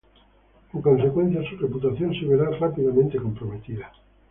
En consecuencia, su reputación se verá rápidamente comprometida.